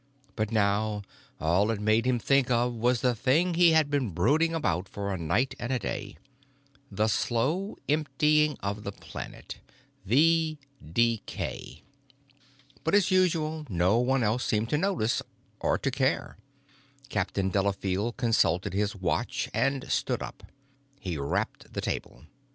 But now all it made him think of was the thing he had been brooding about for a night and a day, the slow emptying of the planet, the.... Decay. But, as usual, no one else seemed to notice or to care. Captain Delafield consulted his watch and stood up. He rapped the table.